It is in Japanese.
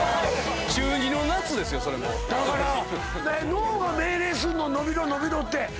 脳が命令すんの⁉伸びろ伸びろって。